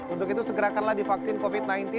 untuk itu segerakanlah divaksin covid sembilan belas